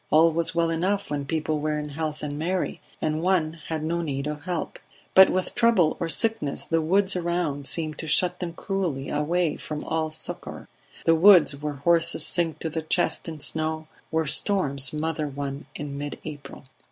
All was well enough when people were in health and merry, and one had no need of help; but with trouble or sickness the woods around seemed to shut them cruelly away from all succour the woods where horses sink to the chest in snow, where storms smother one in mid April.